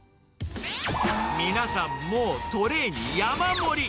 皆さん、もうトレーに山盛り。